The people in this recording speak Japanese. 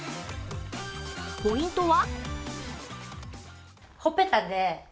ポイントは？